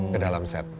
ke dalam set